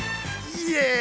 イエイ！